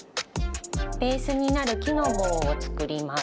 ベースになる木の棒を作ります。